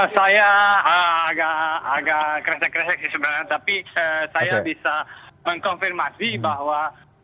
saya agak kresek kresek sebenarnya tapi saya bisa mengkonfirmasi bahwa